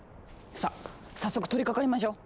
さあ早速取りかかりましょう！